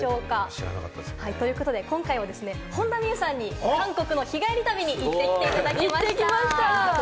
知らなかったですね。ということで今回は本田望結さんに韓国、日帰り旅に行ってもらいました。